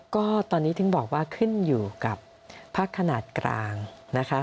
ก็ตอนนี้ถึงบอกว่าขึ้นอยู่กับพักขนาดกลางนะคะ